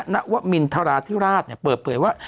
นวมินทราธิราชเปิดเผยว่า